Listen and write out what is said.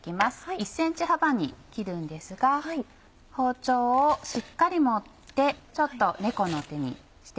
１ｃｍ幅に切るんですが包丁をしっかり持って猫の手にして。